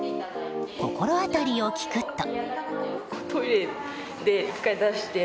心当たりを聞くと。